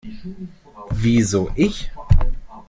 Wieso ich?